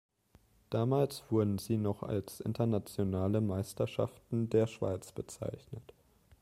Damals wurden sie noch als Internationale Meisterschaften der Schweiz bezeichnet.